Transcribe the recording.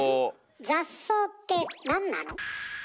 雑草ってなんなの？